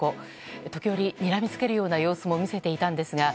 時折にらみつけるような様子も見せていたんですが。